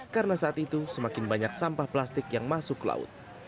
karena saat itu semakin banyak sampah plastik yang masuk ke laut